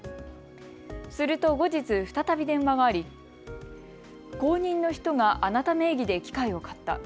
すると後日、再び電話があり後任の人があなた名義で機械を買った。